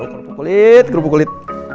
kerupuk kulit kerupuk kulit